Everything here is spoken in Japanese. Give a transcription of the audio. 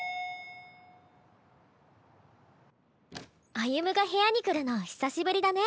歩夢が部屋に来るの久しぶりだね。